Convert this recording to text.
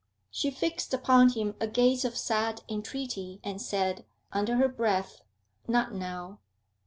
She fixed upon him a gaze of sad entreaty, and said, under her breath, 'Not now.'